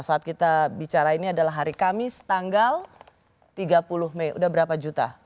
saat kita bicara ini adalah hari kamis tanggal tiga puluh mei udah berapa juta